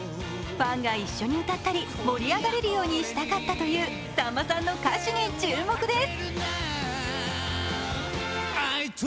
ファンが一緒に歌ったり、盛り上がれるようにしたかったというさんまさんの歌詞に注目です。